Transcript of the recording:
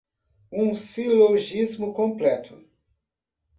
um silogismo completo